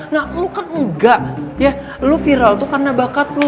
nah lu kan enggak ya lu viral tuh karena bakat lo